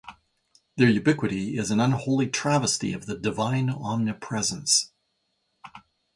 Their ubiquity is an unholy travesty of the divine omnipresence.